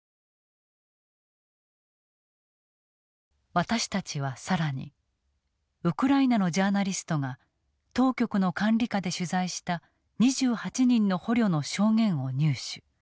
私たちは更にウクライナのジャーナリストが当局の管理下で取材した２８人の捕虜の証言を入手。